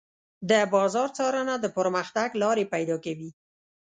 د بازار څارنه د پرمختګ لارې پيدا کوي.